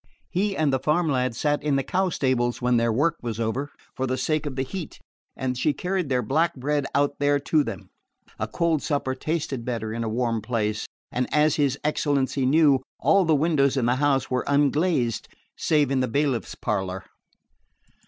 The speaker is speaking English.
He and the farm lads sat in the cow stables when their work was over, for the sake of the heat, and she carried their black bread out there to them: a cold supper tasted better in a warm place, and as his excellency knew, all the windows in the house were unglazed save in the bailiff's parlour.